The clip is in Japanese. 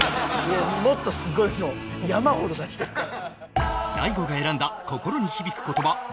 もっとすごいの山ほど出してるから。